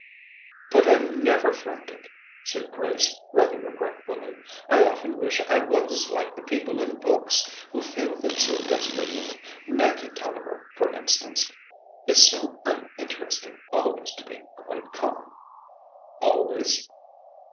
"But I'm never frantic," said Grace, rather regretfully. "I often wish I was like the people in books who feel things so desperately. Maggie Tulliver, for instance. It's so uninteresting always to be quite calm." "Always?"